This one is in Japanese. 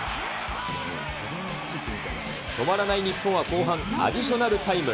止まらない日本は後半、アディショナルタイム。